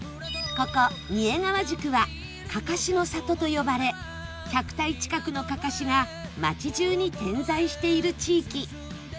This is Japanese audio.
ここ贄川宿はかかしの里と呼ばれ１００体近くのかかしが町じゅうに点在している地域